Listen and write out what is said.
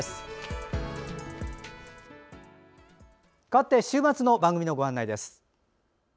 かわって週末の番組のご案内です。